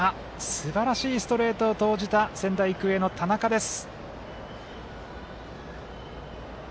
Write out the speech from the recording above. すばらしいストレートを投じた仙台育英の田中です。